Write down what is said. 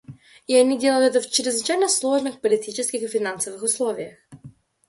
И они делают это в чрезвычайно сложных политических и финансовых условиях.